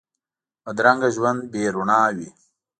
بدرنګه ژوند بې روڼا وي